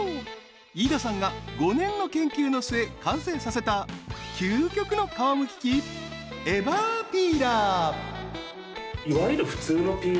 ［飯田さんが５年の研究の末完成させた究極の皮むき器エバーピーラー］